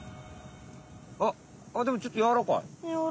あっでもちょっとやわらかい。